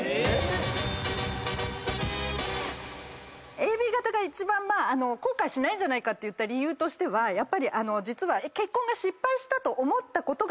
ＡＢ型が一番後悔しないんじゃないかって言った理由としては実は。